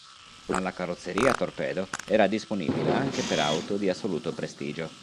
Ma la carrozzeria torpedo era disponibile anche per auto di assoluto prestigio.